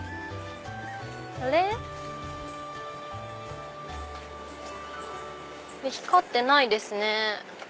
あれ⁉光ってないですね。